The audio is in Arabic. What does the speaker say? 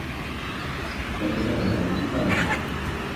وَإِنْ كَانَ الْعَالِمُ خَامِلًا